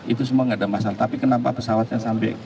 itu semua nggak ada masalah tapi kenapa pesawatnya sampai